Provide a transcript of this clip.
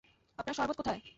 আপনার শরবত কোথায়?